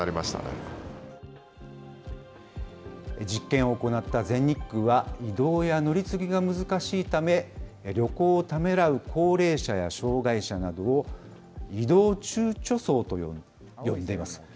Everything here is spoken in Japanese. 実験を行った全日空は、移動や乗り継ぎが難しいため、旅行をためらう高齢者や障害者などを、移動躊躇層と呼んでいます。